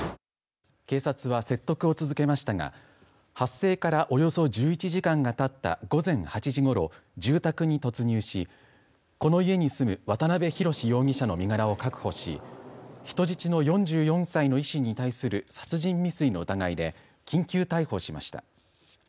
警察は、説得を続けましたが発生からおよそ１１時間がたった午前８時ごろ住宅に突入しこの家に住む渡邊宏容疑者の身柄を確保し人質の４４歳の医師に対する殺人未遂の疑いで緊急逮捕しました。